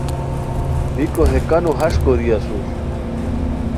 بیکو ہے کانو ہݰ کوری اسور